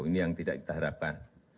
ini yang tidak kita harapkan